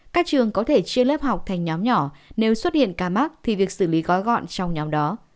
các trường có thể chia lớp học thành nhóm nhỏ nếu xuất hiện ca mắc thì việc xử lý gói gọn trong nhóm đó